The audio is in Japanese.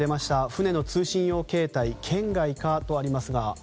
船の通信用携帯、圏外かとありますが。